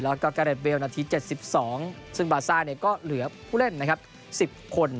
แล้วก็กาเรดเวลนาที๗๒ซึ่งบาซ่าก็เหลือผู้เล่นนะครับ๑๐คน